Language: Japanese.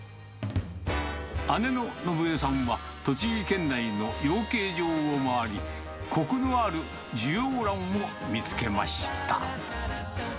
姉の伸絵さんは、栃木県内の養鶏場を回り、こくのある地養卵を見つけました。